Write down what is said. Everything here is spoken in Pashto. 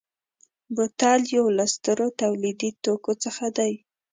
بوتل یو له سترو تولیدي توکو څخه دی.